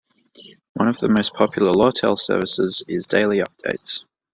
One of the most popular Lawtel services is Daily Updates.